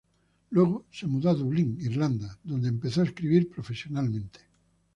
Luego se mudó a Dublín, Irlanda, donde empezó a escribir profesionalmente.